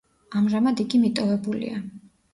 ამჟამად იგი მიტოვებულია.